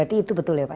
itu betul ya pak